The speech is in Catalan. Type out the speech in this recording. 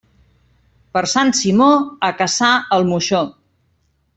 Per Sant Simó, a caçar el moixó.